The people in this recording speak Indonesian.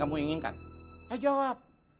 kamu inginkan gak jawab